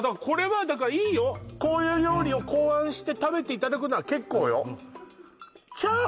これはだからいいよこういう料理を考案して食べていただくのは結構よ